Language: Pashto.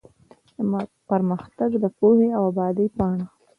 د پرمختګ ، پوهې او ابادۍ پاڼه